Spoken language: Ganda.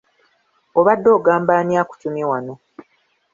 Obadde ogamba ani akutumye wano?